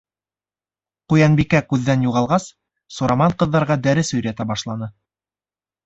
Ҡуянбикә күҙҙән юғалғас, Сураман ҡыҙҙарға дәрес өйрәтә башланы.